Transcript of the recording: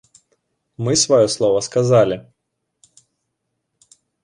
Мы сваё слова сказалі!